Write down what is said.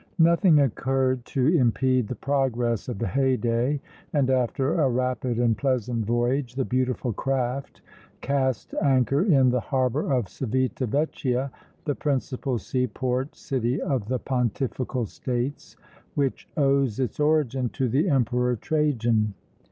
Nothing occurred to impede the progress of the Haydée and, after a rapid and pleasant voyage, the beautiful craft cast anchor in the harbor of Civita Vecchia, the principal seaport city of the Pontifical States, which owes its origin to the Emperor Trajan.